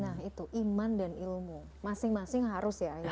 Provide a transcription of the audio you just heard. nah itu iman dan ilmu masing masing harus ya